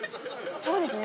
そうですね。